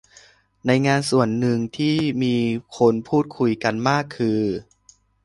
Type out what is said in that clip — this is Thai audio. ในงานนี้ส่วนหนึ่งที่มีคนพูดคุยกันมากคือ